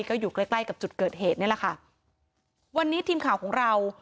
ก็อยู่ใกล้ใกล้กับจุดเกิดเหตุนี่แหละค่ะวันนี้ทีมข่าวของเรา